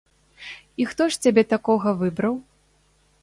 І хто ж цябе такога выбраў?